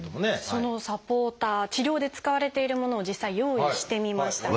そのサポーター治療で使われているものを実際用意してみました。